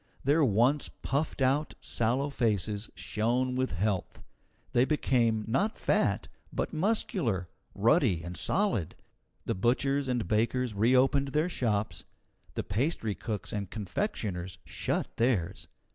Their once puffed out, sallow faces shone with health; they became, not fat, but muscular, ruddy, and solid. The butchers and bakers reopened their shops; the pastry cooks and confectioners shut theirs.